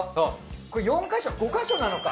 これ４か所５か所なのか。